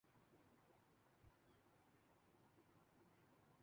خاکم بدہن، میں اس بر بادی کے آثار دیکھ رہا ہوں۔